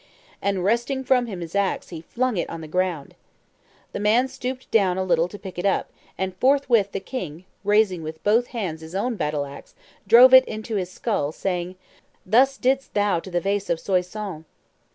And wresting from him his axe he flung it on the ground. The man stooped down a little to pick it up, and forthwith the king, raising with both hands his own battle axe, drove it into his skull, saying, "Thus didst thou to the vase of Soissons!"